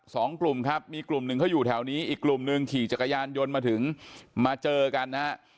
สองกลุ่มครับมีกลุ่มหนึ่งเขาอยู่แถวนี้อีกกลุ่มหนึ่งขี่จักรยานยนต์มาถึงมาเจอกันนะฮะ